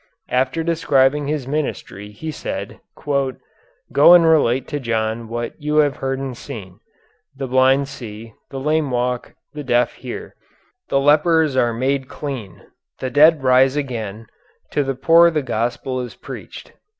After describing His ministry He said: "Go and relate to John what you have heard and seen: the blind see, the lame walk, the deaf hear, the lepers are made clean, the dead rise again, to the poor the Gospel is preached."